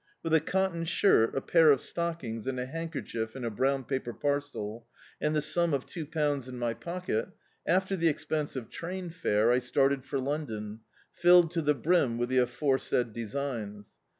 With a cotton shirt, a pair of stocldngs and a hand kerchief in a brown paper parcel, and the sum of two pounds in my pocket, after the expense of train fare, I started for Lraidon, filled to the brim with the aforesaid designs.